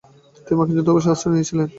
তিনি মার্কিন দূতাবাসে আশ্রয় নিয়েছিলেন।